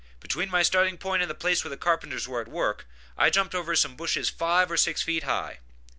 Between my starting point and the place where the carpenters were at work I jumped over some bushes five or six feet high.